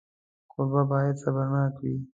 کوربه باید صبرناک وي.